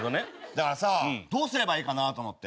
だからさどうすればいいかな？と思って。